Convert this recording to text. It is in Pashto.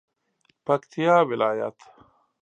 پکتیا ولایت